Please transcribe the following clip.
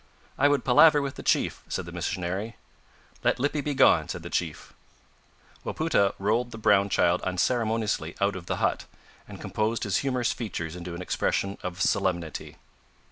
"I would palaver with the chief," said the missionary. "Let Lippy be gone," said the chief. Wapoota rolled the brown child unceremoniously out of the hut, and composed his humorous features into an expression of solemnity.